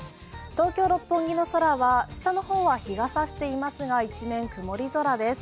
東京・六本木の空は下の方は日が差していますが一面曇り空です。